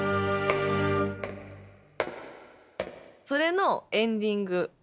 それのエンディング。